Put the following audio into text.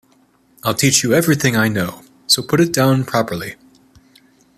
I'll teach you everything I know, so put it down properly.